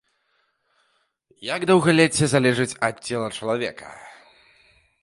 Як даўгалецце залежыць ад цела чалавека?